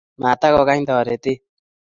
matokokany toretet